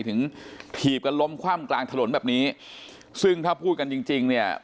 ถีบกันล้มคว่ำกลางถนนแบบนี้ซึ่งถ้าพูดกันจริงจริงเนี่ย